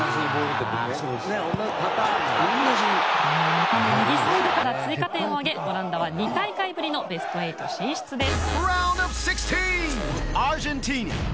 またも右サイドから追加点を挙げオランダは２大会ぶりのベスト８進出です。